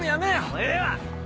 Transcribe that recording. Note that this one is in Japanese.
もうええわ！